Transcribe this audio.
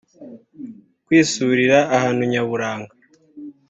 kwisurira ahantu nyaburanga